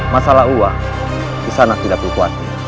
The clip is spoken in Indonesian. masalah uang di sana tidak berkuat